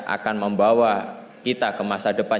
akan membawa kita ke masa depan